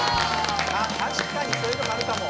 たしかにそういうところあるかも。